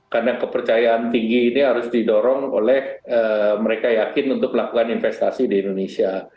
karena kepercayaan tinggi ini harus didorong oleh mereka yakin untuk melakukan investasi di indonesia